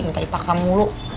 minta dipaksa mulu